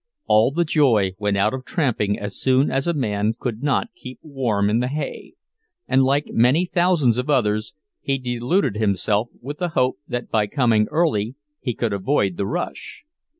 All the joy went out of tramping as soon as a man could not keep warm in the hay; and, like many thousands of others, he deluded himself with the hope that by coming early he could avoid the rush.